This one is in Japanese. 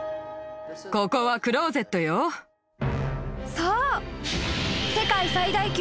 ［そう］